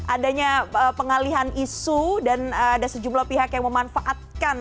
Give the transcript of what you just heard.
adanya pengalihan isu dan ada sejumlah pihak yang memanfaatkan